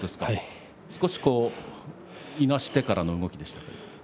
少しいなしてからの動きでした。